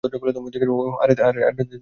ওহ, আরে, দেখো কান্ড।